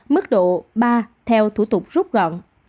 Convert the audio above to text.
mức độ ba theo thủ tục rút gọn